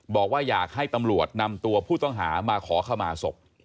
บอกว่าอยากให้ตำรวจนำตัวผู้ต้องหามาขอขมาศพ